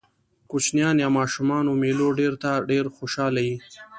کوچنيان يا ماشومان و مېلو ډېر ته ډېر خوشحاله يي.